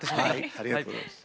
ありがとうございます。